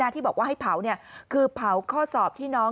ที่บอกว่าให้เผาคือเผาข้อสอบที่น้อง